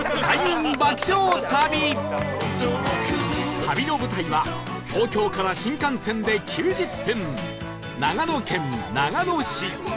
旅の舞台は東京から新幹線で９０分長野県長野市